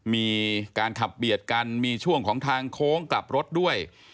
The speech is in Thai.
มีการขับเบียดกันมีช่วงของทางโค้งกลับรถด้วย